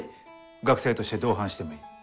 学生として同伴してもいい。